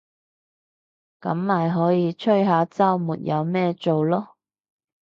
噉咪可以吹下週末有咩做囉